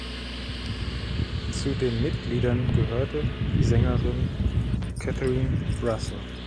Zu den Mitgliedern gehörte die Sängerin Catherine Russell.